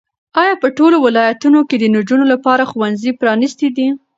ایا په ټولو ولایتونو کې د نجونو لپاره ښوونځي پرانیستي دي؟